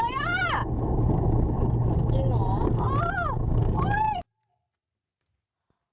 จริงเหรอ